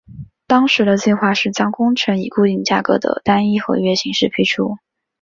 当时的计划是将工程以固定价格的单一合约形式批出。